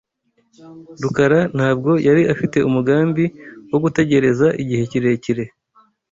Rukara ntabwo yari afite umugambi wo gutegereza igihe kirekire.